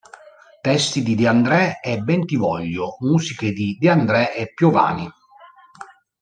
Testi di De André e Bentivoglio, musiche di De André e Piovani.